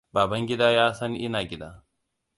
Babangidaa ya san ina gida.